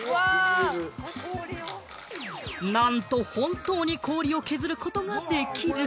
なんと本当に氷を削ることができる。